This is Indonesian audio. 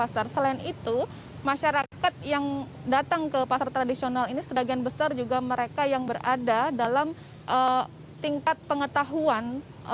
selain itu masyarakat yang datang ke pasar tradisional ini sebagian besar juga mereka yang berada dalam tingkat pengetahuan